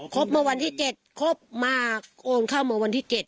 เมื่อวันที่๗ครบมาโอนเข้ามาวันที่๗